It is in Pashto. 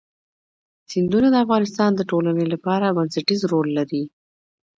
سیندونه د افغانستان د ټولنې لپاره بنسټيز رول لري.